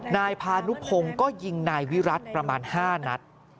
นายพานุพงศ์ก็ยิงนายวิรัติประมาณ๕นัด